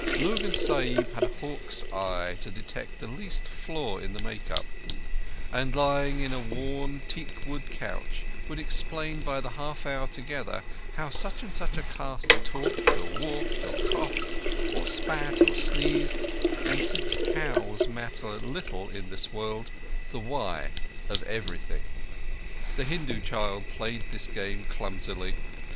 Lurgan Sahib had a hawk's eye to detect the least flaw in the make up; and lying on a worn teak wood couch, would explain by the half hour together how such and such a caste talked, or walked, or coughed, or spat, or sneezed, and, since "hows" matter little in this world, the "why" of everything. The Hindu child played this game clumsily.